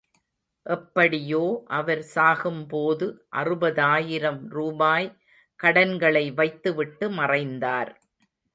எப்படியோ அவர் சாகும்போது அறுபதாயிரம் ரூபாய் கடன்களை வைத்து விட்டு மறைந்தார்.